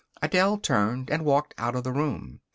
Adele turned and walked out of the room.